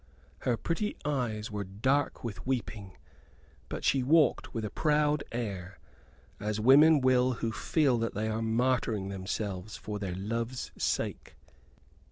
Her pretty eyes were dark with weeping; but she walked with a proud air, as women will who feel that they are martyring themselves for their love's sake.